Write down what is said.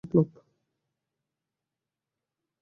যদি অর্থের অভিসন্ধি না হয়, তবে প্রভুত্বের মতলব।